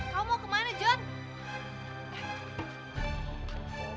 kau mau kemana john